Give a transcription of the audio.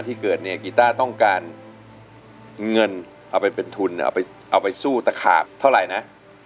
เกิดเนี่ยกีต้าต้องการเงินเอาไปเป็นทุนเอาไปสู้ตะขาบเท่าไหร่นะ